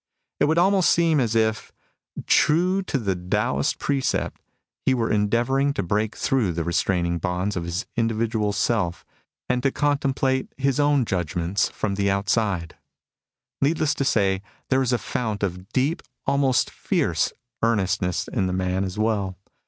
It would almost seem as if, true to the Taoist 28 MUSINGS OF A CHINESE MYSTIC precept, he were endeavouring to break through the restraming bonds of his individual self, and to contemplate his own judgments from the out side. Needless to say, there is a fount of deep, almost fierce, earnestness in the man as well.